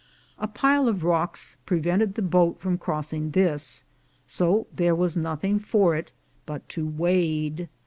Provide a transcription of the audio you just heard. A pile of rocks prevented the boat from cross ing this, so there was nothing for it but to wade.